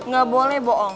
gak boleh bohong